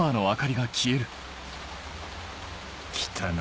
来たな。